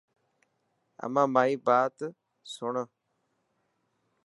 امان مائي بات بات سڻ.